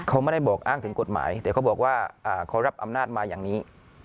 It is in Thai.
เขาไม่ได้บอกอ้างถึงกฎหมายแต่เขาบอกว่าเขารับอำนาจมาอย่างนี้